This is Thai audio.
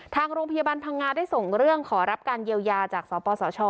ทางโรงพยาบาลพังงาได้ส่งเรื่องขอรับการเยียวยาจากสปสช